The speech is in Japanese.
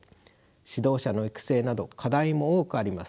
指導者の育成など課題も多くあります。